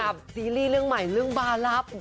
ซีรีส์เรื่องใหม่เรื่องบารับ